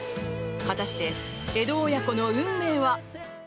果たして江戸親子の運命は？